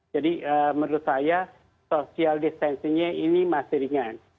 jadi menurut saya social distancing nya ini masih ringan